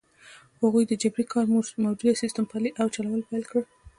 هغوی د جبري کار موجوده سیستم پلی او چلول پیل کړ.